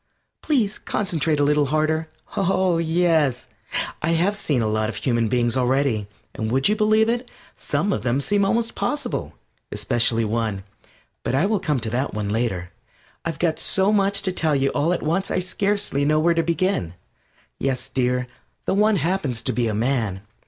Please concentrate a little harder. Oh! Yes, I have seen a lot of human beings already, and would you believe it? some of them seem almost possible especially one. But I will come to that one later. I've got so much to tell you all at once I scarcely know where to begin. Yes, dear, the One happens to be a man.